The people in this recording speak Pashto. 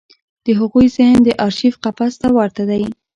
د هغوی ذهن د ارشیف قفس ته ورته دی.